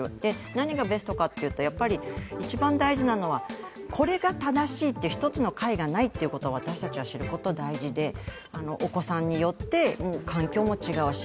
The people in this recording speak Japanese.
何がベストかというとやっぱり一番大事なのはこれが正しいという一つの解がないということを私たちが知ることが大事でお子さんによって環境も違うし。